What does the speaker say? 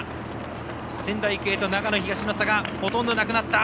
仙台育英と長野東の差がほとんどなくなった。